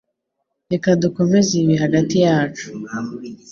Reka dukomeze ibi hagati yacu.